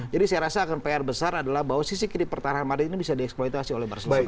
jadi saya rasa akan pr besar adalah bahwa sisi kiri pertahanan madrid ini bisa dieksploitasi oleh barcelona